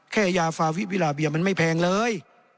แค่ยาฟาวิวิลาเบียมันไม่แพงเลย